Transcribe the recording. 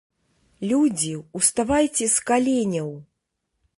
Людзі, уставайце з каленяў!